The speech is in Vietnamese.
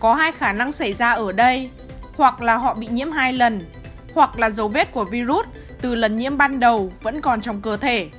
có hai khả năng xảy ra ở đây hoặc là họ bị nhiễm hai lần hoặc là dấu vết của virus từ lần nhiễm ban đầu vẫn còn trong cơ thể